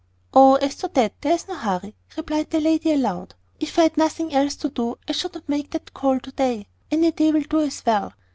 "Oh, as to that, there is no hurry," replied the lady, aloud. "If I had nothing else to do, I should not make that call to day. Any day will do as well."